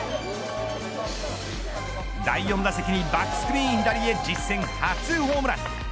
第４打席にバックスクリーン左へ実戦、初ホームラン。